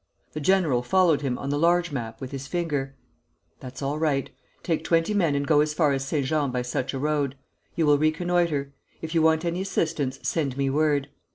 The general followed him on the large map with his finger. 'That's all right. Take twenty men and go as far as St. Jean by such a road. You will reconnoitre. If you want any assistance, send me word.'